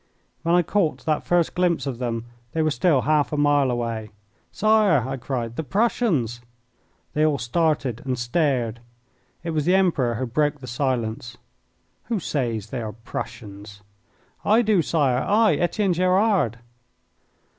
When I caught that first glimpse of them they were still half a mile away. "Sire!" I cried, "the Prussians!" They all started and stared. It was the Emperor who broke the silence. "Who says they are Prussians?" "I do, Sire I, Etienne Gerard!"